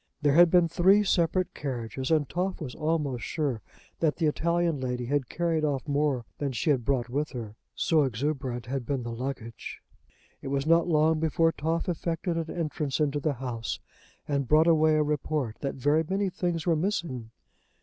There had been three separate carriages, and Toff was almost sure that the Italian lady had carried off more than she had brought with her, so exuberant had been the luggage. It was not long before Toff effected an entrance into the house, and brought away a report that very many things were missing.